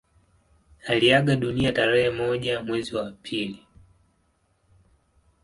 Aliaga dunia tarehe moja mwezi wa pili